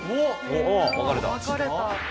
分かれた。